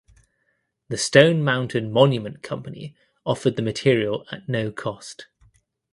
The Stone Mountain Monument Company offered the material at no cost.